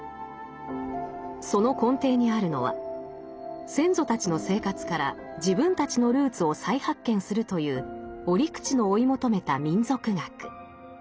その根底にあるのは先祖たちの生活から自分たちのルーツを再発見するという折口の追い求めた民俗学。